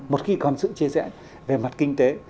một khi còn sự chia rẽ về mặt kinh tế